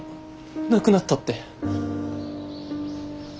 亡くなったって。